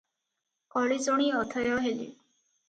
କଳି ଶୁଣି ଅଥୟ ହେଲେ ।